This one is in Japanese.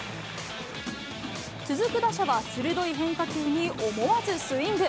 続く打者は、鋭い変化球に思わずスイング。